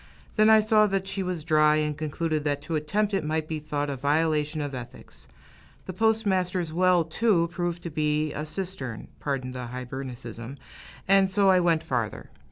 Then I saw that she was dry, and concluded that to attempt it might be thought a violation of ethics. The postmaster's well, too, proved to be a cistern, pardon the Hibernicism, and so I went farther.